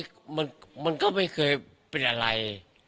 ก็ทุกทีมันก็ไม่เคยเป็นอะไร